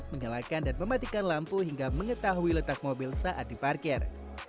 menyalakan dan mematikan lampu hingga mengetahui letak mobil saat diparkir